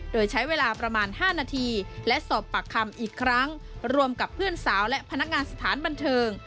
โดยใช้เวลาประมาณ๕นาทีและสอบปากคำอีกครั้งรวมกับเพื่อนสาวและพนักงานสถานบันเทิง